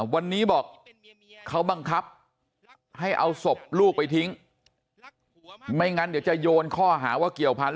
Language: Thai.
วันนี้บอกเขาบังคับให้เอาศพลูกไปทิ้งไม่งั้นเดี๋ยวจะโยนข้อหาว่าเกี่ยวพันธ